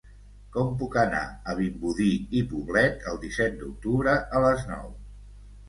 Com puc anar a Vimbodí i Poblet el disset d'octubre a les nou?